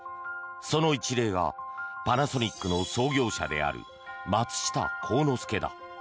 その一例がパナソニックの創業者である松下幸之助だ。